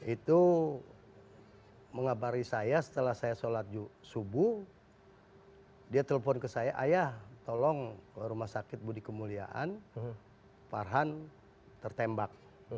itu mengabari saya setelah saya sholat subuh dia telepon ke saya ayah tolong rumah sakit budi kemuliaan farhan tertembak